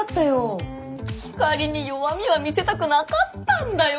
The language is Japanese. ひかりに弱みは見せたくなかったんだよ